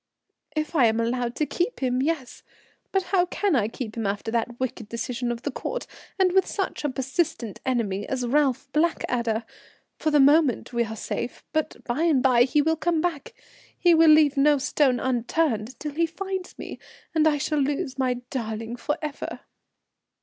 "If I am allowed to keep him, yes. But how can I keep him after that wicked decision of the Court, and with such a persistent enemy as Ralph Blackadder? For the moment we are safe, but by and by he will come back, he will leave no stone unturned until he finds me, and I shall lose my darling for ever."